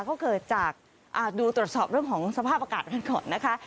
ก็เกิดจากดูตรวจสอบเรื่องของสภาพอากาศกันก่อนนะคะ